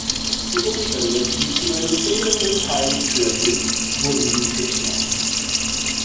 Die Umstände, die zu den fehlenden Teilen führten, wurden nie geklärt.